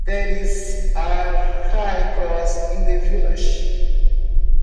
There is a High Cross in the village.